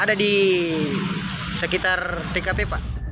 ada di sekitar tkp pak